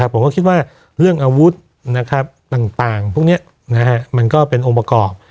ผมก็คิดว่าเรื่องอาวุธต่างพวกนี้มันก็เป็นองค์ประกอบ